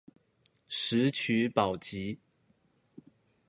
石渠寶笈